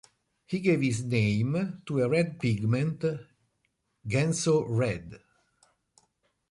He gave his name to a red pigment "Genso red".